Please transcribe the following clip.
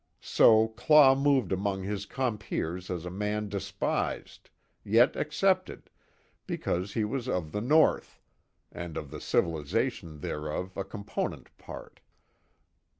So Claw moved among his compeers as a man despised, yet accepted, because he was of the North, and of the civilization thereof a component part.